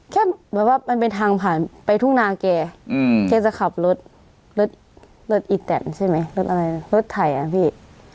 แค่แบบว่ามันเป็นทางผ่านไปทุ่งนาแกแกจะขับรถรถอีแตนใช่ไหมรถอะไรรถไถอ่ะพี่